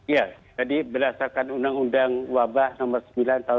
ya jadi berdasarkan undang undang wabah nomor sembilan tahun seribu sembilan ratus delapan puluh empat